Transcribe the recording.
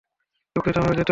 দুঃখিত, আমাকে যেতে হবে।